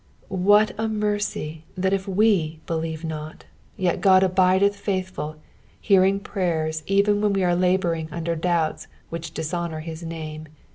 What a mercy that if us believe not, yet God abideth faithful, hearing prayer even when we are labouring under doubts which dishonour his name.